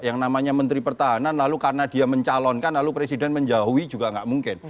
yang namanya menteri pertahanan lalu karena dia mencalonkan lalu presiden menjauhi juga nggak mungkin